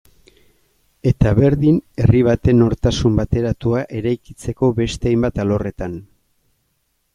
Eta berdin herri baten nortasun bateratua eraikitzeko beste hainbat alorretan.